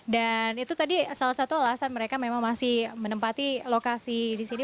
dan itu tadi salah satu alasan mereka memang masih menempati lokasi di sini